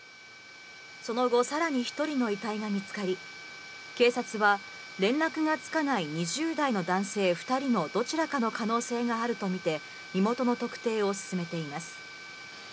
その後、さらに１人の遺体が見つかり、警察は連絡がつかない２０代の男性２人のどちらかの可能性があると見て、身元の特定を進めています。